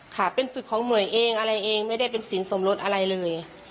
ค่ะเป็นฝึกของหน่วยเองอะไรเองไม่ได้เป็นสินสมรสอะไรเลย